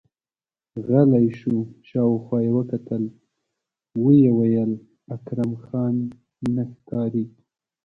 غلی شو، شاوخوا يې وکتل، ويې ويل: اکرم خان نه ښکاري!